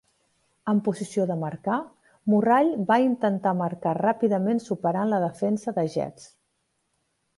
En posició de marcar, Morrall va intentar marcar ràpidament superant la defensa de Jets.